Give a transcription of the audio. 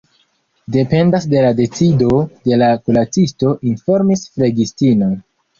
Dependas de la decido de la kuracisto, informis flegistino.